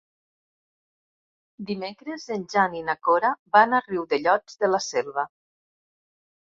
Dimecres en Jan i na Cora van a Riudellots de la Selva.